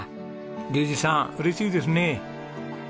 竜士さん嬉しいですね。